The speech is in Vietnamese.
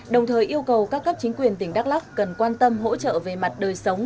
đồng thời yêu cầu các cấp chính quyền tỉnh đắk lắc cần quan tâm hỗ trợ về mặt đời sống